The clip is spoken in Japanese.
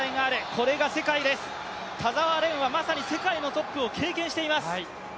これが世界です、田澤廉はまさに世界のトップを経験しています。